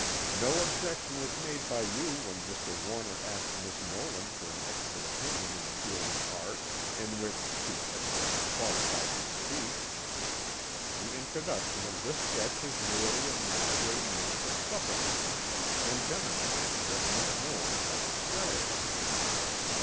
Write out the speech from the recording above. No objection was made by you when Mr. Warner asked Miss Nolan for an expert opinion in the field of art, in which she's evidently qualified to speak. The introduction of this sketch is merely a natural means of supplementing and demonstrating what Miss Nolan has to say."